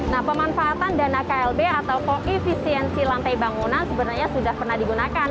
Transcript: nah pemanfaatan dana klb atau koefisiensi lantai bangunan sebenarnya sudah pernah digunakan